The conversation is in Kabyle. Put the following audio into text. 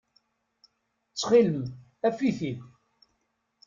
Ttxil-m, af-it-id.